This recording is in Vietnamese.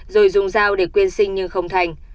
rồi dùng dao để quyên sinh nhưng không thành